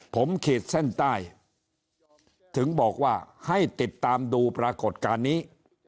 ผมขีดเส้นใต้ถึงบอกว่าให้ติดตามดูปรากฏการณ์นี้